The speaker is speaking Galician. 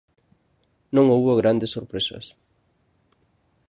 Non houbo grandes sorpresas.